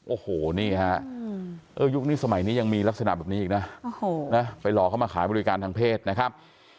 โอ้โหนี่ฮะยุคนี้สมัยนี้ยังมีลักษณะแบบนี้อีกนะไปหลอกเขามาขายบริการทางเพศนะครับ